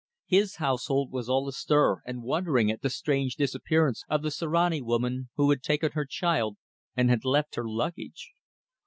His household was all astir and wondering at the strange disappearance of the Sirani woman, who had taken her child and had left her luggage.